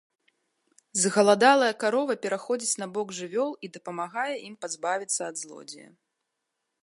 Згаладалая карова пераходзіць на бок жывёл і дапамагае ім пазбавіцца ад злодзея.